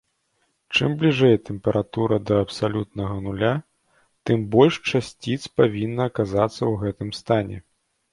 Чым бліжэй тэмпература да абсалютнага нуля, тым больш часціц павінна аказацца ў гэтым стане.